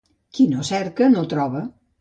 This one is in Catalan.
Qui no cerca no troba.